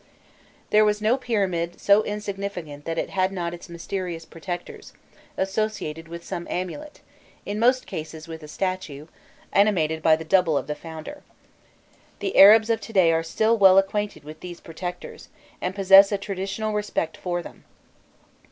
There was no pyramid so insignificant that it had not its mysterious protectors, associated with some amulet in most cases with a statue, animated by the double of the founder. The Arabs of to day are still well acquainted with these protectors, and possess a traditional respect for them.